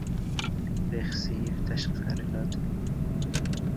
Rixsiyev tashqariladi.